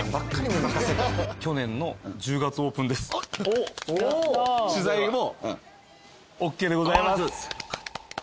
［早速］取材もＯＫでございます。